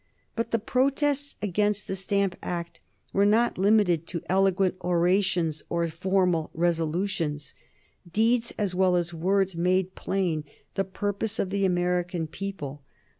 But the protests against the Stamp Act were not limited to eloquent orations or formal resolutions. Deeds, as well as words, made plain the purpose of the American people.